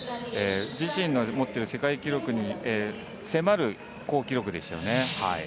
自身の持っている世界記録に迫る高記録です。